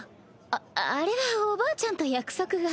ああれはおばあちゃんと約束が。